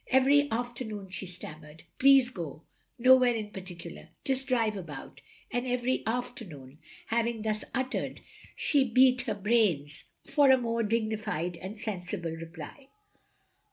Every afternoon she stammered, " Please go — nowhere in particular — ^just drive about," and every afternoon, having thus uttered, she beat 88 THE LONELY LADY her brains for a more dignified and sensible reply.